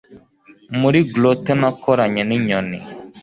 muri grotto nakoranye ninyoni